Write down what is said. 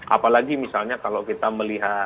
apalagi misalnya kalau kita melihat